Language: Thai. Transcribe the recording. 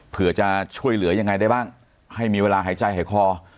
เผื่อจะช่วยเหลือยังไงได้บ้างให้มีเวลาหายใจหายคอ